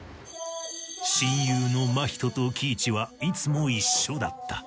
親友の真人と貴市はいつも一緒だった